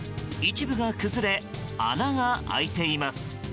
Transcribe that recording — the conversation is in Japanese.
一部が崩れ、穴が開いています。